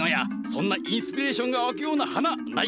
そんなインスピレーションが湧くような花ないか？